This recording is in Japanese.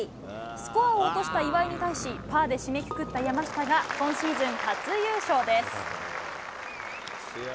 スコアを落とした岩井に対し、パーで締めくくった山下が、今シーズン初優勝です。